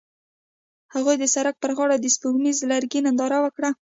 هغوی د سړک پر غاړه د سپوږمیز لرګی ننداره وکړه.